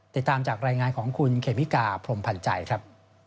ติดตามจากรายงานของคุณเคมิกาพรมพันธ์ใจครับ